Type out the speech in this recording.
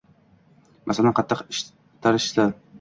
masalan, qattiq itarishsa